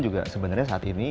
juga sebenarnya saat ini